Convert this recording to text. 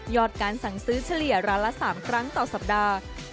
การสั่งซื้อเฉลี่ยร้านละ๓ครั้งต่อสัปดาห์